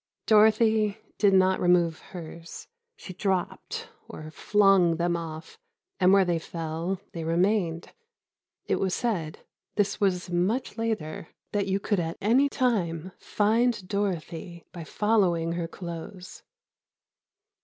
Dorothy did not remove hers. She dropped, or flung, them off, and where they fell they remained. It was said—this was much later—that you could at any time find Dorothy by following her clothes.